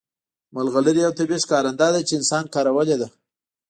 ملغلرې یو طبیعي ښکارنده ده چې انسان کارولې ده